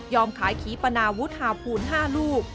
ยอมขายขีปนาวุธหาพูน๕ลูก